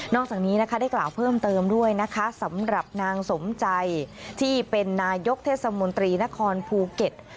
จากนี้นะคะได้กล่าวเพิ่มเติมด้วยนะคะสำหรับนางสมใจที่เป็นนายกเทศมนตรีนครภูเก็ต